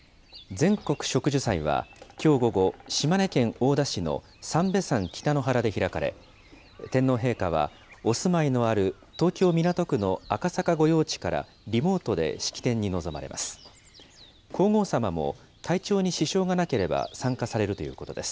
全国植樹祭はきょう午後、島根県大田市の三瓶山北の原で開かれ、天皇陛下はお住まいのある東京・港区の赤坂御用地からリモートで式典に臨まれます。